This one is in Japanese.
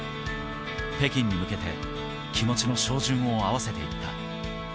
北京に向けて、気持ちの照準を合わせていった。